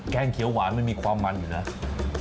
งเขียวหวานมันมีความมันอยู่นะ